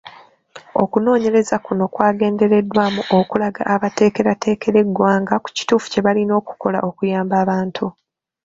Okunoonyereza kuno kwagendereddwamu okulaga abateekerateekera eggwanga ku kituufu kye balina okukola okuyamba abantu.